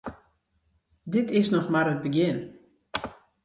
Dit is noch mar it begjin.